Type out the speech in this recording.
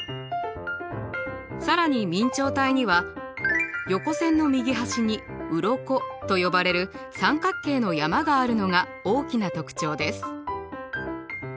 更に明朝体には横線の右端にうろこと呼ばれる三角形の山があるのが大きな特徴です。